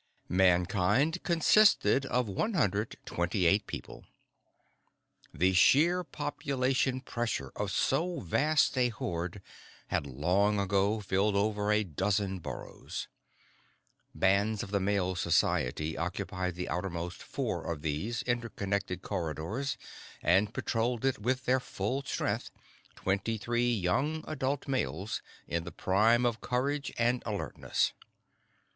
I Mankind consisted of 128 people. The sheer population pressure of so vast a horde had long ago filled over a dozen burrows. Bands of the Male Society occupied the outermost four of these interconnected corridors and patrolled it with their full strength, twenty three young adult males in the prime of courage and alertness.